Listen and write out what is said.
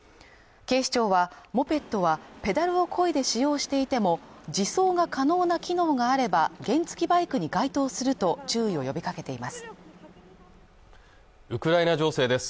警視庁はモペットはペダルをこいで使用していても自走が可能な機能があれば原付バイクに該当すると注意を呼びかけています